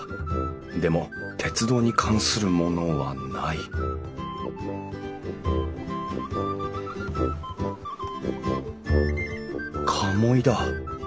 でも鉄道に関するものはない鴨居だ。